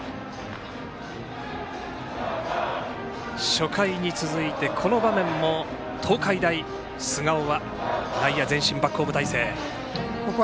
初回に続いて、この場面も東海大菅生は内野前進バックホーム態勢。